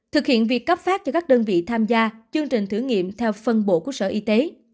thực hiện việc cấp phát cho các đơn vị tham gia chương trình thử nghiệm theo phân bộ của sở y tế